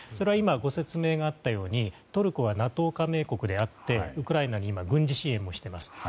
今、ご説明があったようにトルコはＮＡＴＯ加盟国であってウクライナには軍事支援をしてます。